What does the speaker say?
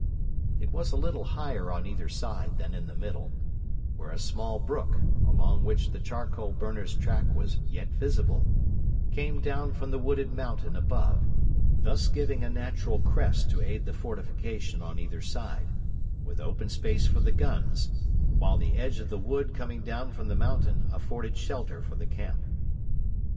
It was a little higher on either side than in the middle, where a small brook, along which the charcoal burner's track was yet visible, came down from the wooded mountain above, thus giving a natural crest to aid the fortification on either side, with open space for the guns, while the edge of the wood coming down from the mountain afforded shelter for the camp.